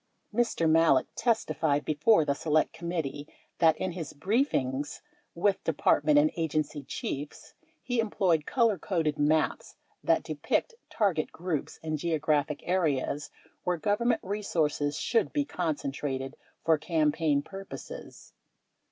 Mr. Malek testified before the Select Committee that, in his briefings with department and agency chiefs, he employed colorcoded maps that depicted target groups and geographic areas where Government re sources should be concentrated for campaign purposes.